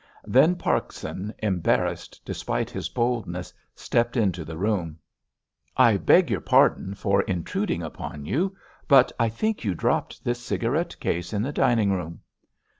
Then Parkson, embarrassed despite his boldness, stepped into the room. "I beg your pardon for intruding upon you, but I think you dropped this cigarette case in the dining room."